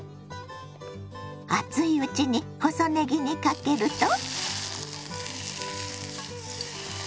熱いうちに細ねぎにかけると。